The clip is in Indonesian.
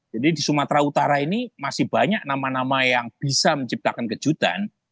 jadi di sumatera utara ini masih banyak nama nama yang bisa menciptakan kejutan